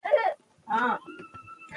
د کولمو بکتریاوې د انرژۍ تولید زیاتوي.